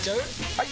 ・はい！